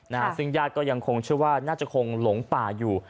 นะฮะซึ่งญาติก็ยังคงเชื่อว่าน่าจะคงหลงป่าอยู่